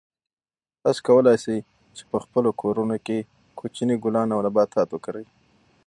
تاسو کولای شئ چې په خپلو کورونو کې کوچني ګلان او نباتات وکرئ.